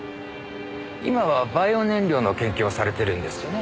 今はバイオ燃料の研究をされてるんですよね。